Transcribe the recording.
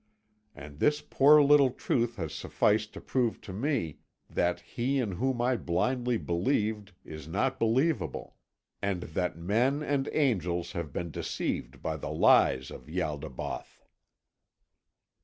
And this poor little truth has sufficed to prove to me that He in whom I blindly believed is not believable, and that men and angels have been deceived by the lies of Ialdabaoth."